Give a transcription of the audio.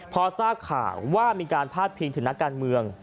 พอทราบข่าวว่ามีการพาดพิงถึงนักการเมือง